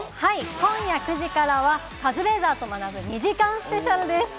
今夜９時からは『カズレーザーと学ぶ。』２時間スペシャルです。